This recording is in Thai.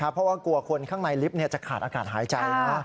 เพราะว่ากลัวคนข้างในลิฟต์จะขาดอากาศหายใจนะ